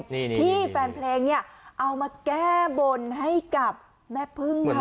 นี่ที่แฟนเพลงเนี่ยเอามาแก้บนให้กับแม่พึ่งค่ะ